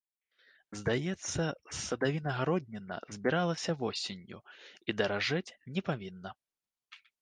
Здаецца, садавіна-гародніна збіралася восенню, і даражэць не павінна.